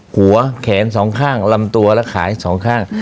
หัวแขน๒ข้างลำตัวละขาย๒ข้าง